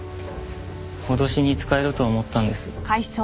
脅しに使えると思ったんです。